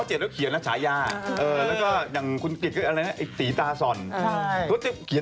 ใช่ถูกเลยค่ะเราก็ไม่ได้ว่าใคร